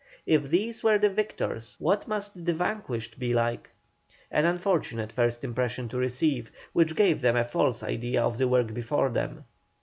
If these were the victors what must the vanquished be like! An unfortunate first impression to receive, which gave them a false idea of the work before them.